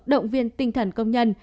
động viên tinh thần công nhân